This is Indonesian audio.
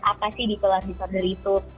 apa sih detail disorder itu